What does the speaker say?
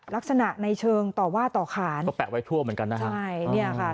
ลักษณะในเชิงต่อว่าต่อขานก็แปะไว้ทั่วเหมือนกันนะครับ